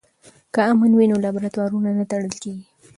که امن وي نو لابراتوار نه تړل کیږي.